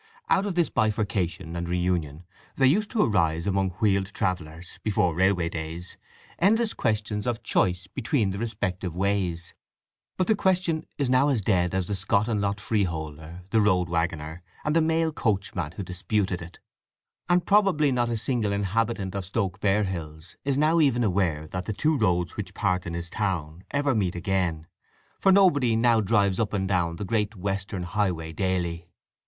Out of this bifurcation and reunion there used to arise among wheeled travellers, before railway days, endless questions of choice between the respective ways. But the question is now as dead as the scot and lot freeholder, the road waggoner, and the mail coachman who disputed it; and probably not a single inhabitant of Stoke Barehills is now even aware that the two roads which part in his town ever meet again; for nobody now drives up and down the great western highway dally.